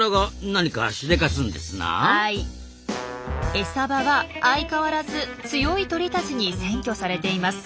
エサ場は相変わらず強い鳥たちに占拠されています。